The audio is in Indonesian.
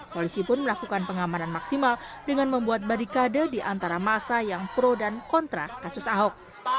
polisi pun melakukan pengamanan maksimal dengan membuat barikade di antara masa yang pro dan kontra kasus ahok